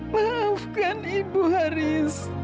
maafkan ibu haris